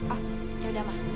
oh yaudah ma